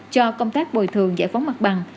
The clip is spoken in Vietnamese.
cho công tác bồi thường giải phóng mặt bằng